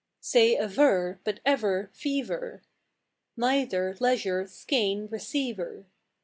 Say aver, but ever, fever, Neither, leisure, skein, receiver.